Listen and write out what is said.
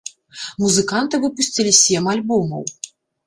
Музыканты выпусцілі сем альбомаў.